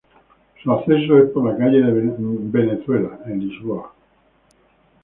Su acceso es por la Calle de Venezuela, en Lisboa.